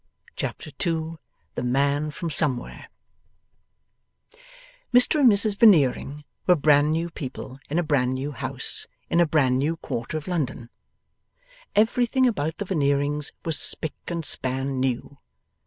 Chapter 2 THE MAN FROM SOMEWHERE Mr and Mrs Veneering were bran new people in a bran new house in a bran new quarter of London. Everything about the Veneerings was spick and span new.